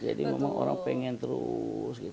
jadi memang orang pengen terus gitu